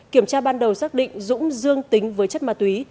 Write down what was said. kiểm tra ban đầu xác định dũng dương tính với chất ma túy